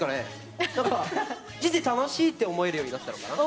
人生楽しいって思えるようになったのかな。